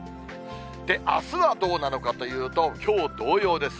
あすはどうなのかというと、きょう同様です。